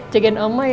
jagain oma ya